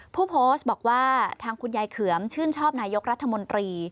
ผู้โพสต์บอกว่าทางคุณยายเขือมชื่นชอบนายกรัฐมนตรี